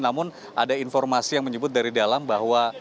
namun ada informasi yang menyebut dari dalam bahwa